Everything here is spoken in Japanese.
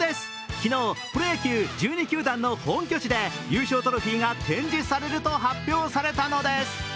昨日、プロ野球１２球団の本拠地で優勝トロフィーが展示されると発表されたのです。